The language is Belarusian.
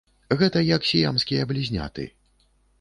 Гэта як сіямскія блізняты.